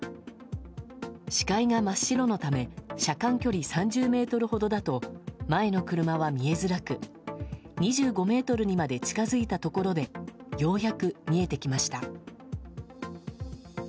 視界が真っ白のため車間距離３０ｍほどだと前の車は見えづらく２５ｍにまで近づいたところでようやく見えてきました。